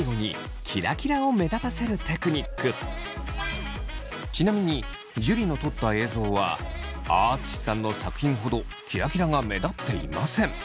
最後にちなみに樹の撮った映像はあああつしさんの作品ほどキラキラが目立っていません。